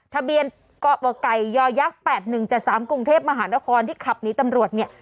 ทะเบียนเกาะไก่ย๘๑๗๓กรุงเทพมหานครที่ขับหนีตำรวจเนี่ย